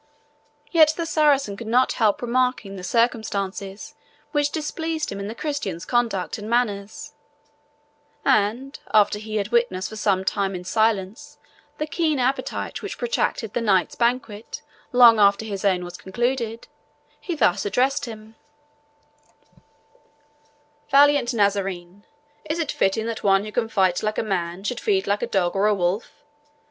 Yet the Saracen could not help remarking the circumstances which displeased him in the Christian's conduct and manners; and, after he had witnessed for some time in silence the keen appetite which protracted the knight's banquet long after his own was concluded, he thus addressed him: "Valiant Nazarene, is it fitting that one who can fight like a man should feed like a dog or a wolf?